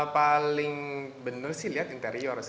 paling benar sih lihat interior